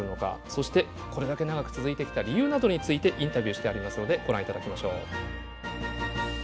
そしてこれだけ長く続いてきた理由などについてインタビューしてありますのでご覧いただきましょう。